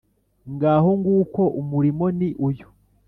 Ngaho nguko umurimo ni uyu